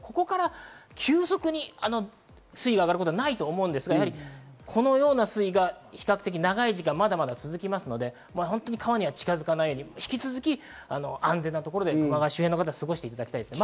ここから急速に水位が上がることはないと思うんですが、このような水位が長い時間続きますので、川には近づかないように引き続き安全なところで過ごしていただきたいです。